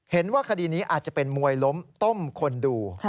เห็นว่าคดีนี้อาจจะเป็นมวยล้มต้มคนดู